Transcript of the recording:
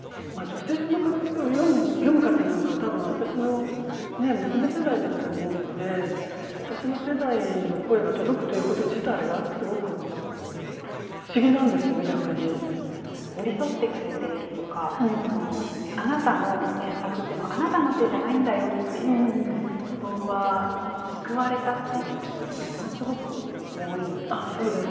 女性誌を読む方なんかはたぶん、私の娘世代だと思うので私の世代の声が届くということ自体がすごく不思議なんですね、逆に。寄り添ってくれているとかあなたの選択っていうのはあなたのせいじゃないんだよっていう言葉に救われたっていう声がものすごく多い。